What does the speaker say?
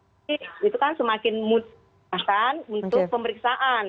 tapi itu kan semakin mudah kan untuk pemeriksaan